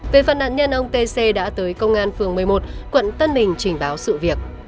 về phần nạn nhân ông t c đã tới công an phường một mươi một quận tân bình trình báo sự việc